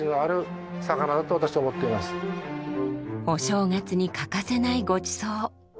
お正月に欠かせないごちそう。